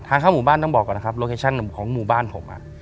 เข้าหมู่บ้านต้องบอกก่อนนะครับโลเคชั่นของหมู่บ้านผม